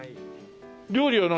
料理は何？